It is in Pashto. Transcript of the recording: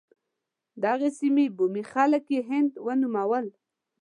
دغې سیمې بومي خلک یې هند ونومول.